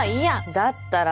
だったら